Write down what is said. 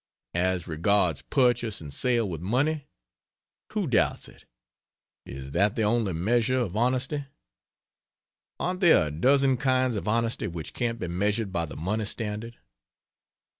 As regards purchase and sale with money? Who doubts it? Is that the only measure of honesty? Aren't there a dozen kinds of honesty which can't be measured by the money standard?